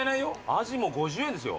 アジも５０円ですよ。